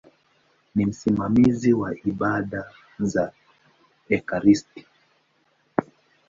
Ni msimamizi wa ibada za ekaristi.